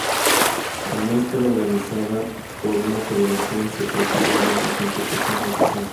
Al no estar organizada por una federación se trataba de una competición no oficial.